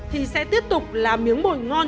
thì sẽ tiếp tục làm miếng bồi ngon